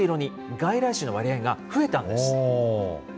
外来種の割合が増えたんです。